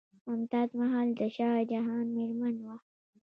ممتاز محل د شاه جهان میرمن وه.